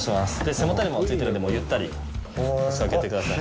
背もたれもついてるのでゆったり腰かけてください。